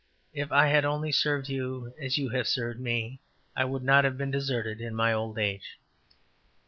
if I had only served you as you have served me, I would not have been deserted in my old age.''